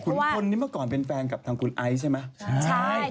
คุณพลนี่เมื่อก่อนเป็นแฟนกับทางคุณไอซ์ใช่ไหมใช่